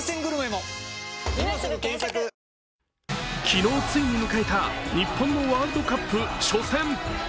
昨日、ついに迎えた日本のワールドカップ初戦。